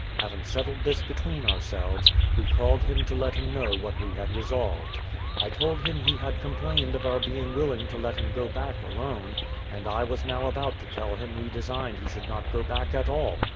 Having settled this between ourselves, we called him to let him know what we had resolved. I told him he had complained of our being willing to let him go back alone, and I was now about to tell him we designed he should not go back at all.